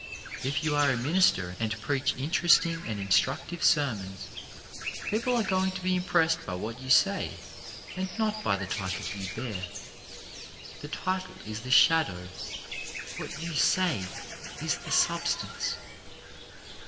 If you are a minister and preach interest ing and instructive sermons, people are going to be impressed by what you say and not by the title you bear. The title is the shadow ; what you say is the substance.